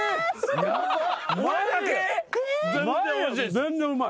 全然うまい。